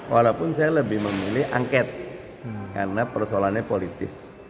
walaupun saya lebih memilih angket karena persoalannya politis